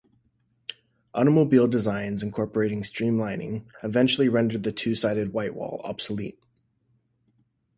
Automobile designs incorporating streamlining eventually rendered the two-sided whitewall obsolete.